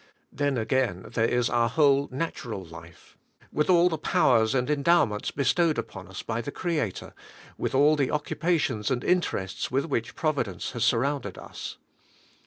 Then, again,, there is our whole natural life, with all the powers and endowments bestowed upon us by the Creator, with all the occupations and interests with which Provi dence has surrounded us.